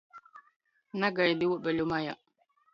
Nagaidi uobeļu majā.